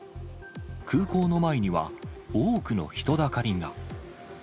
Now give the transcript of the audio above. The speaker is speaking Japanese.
空港の前には、多くの人だかりが。